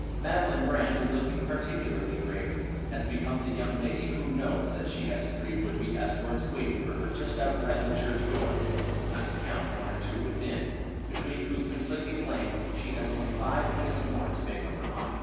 Madeline Brand is looking particularly grave, as becomes a young lady who knows that she has three would be escorts waiting for her just outside the church door, not to count one or two within, between whose conflicting claims she has only five minutes more to make up her mind.